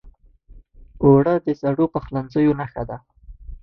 اوړه د زړو پخلنځیو نښه ده